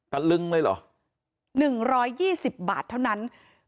ตะลึงเลยเหรอหนึ่งร้อยยี่สิบบาทเท่านั้น